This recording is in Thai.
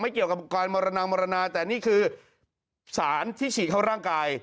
เกี่ยวกับการมรนังมรณาแต่นี่คือสารที่ฉีดเข้าร่างกาย